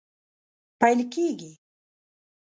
پیل کیږي